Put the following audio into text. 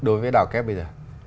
đối với đào kép bây giờ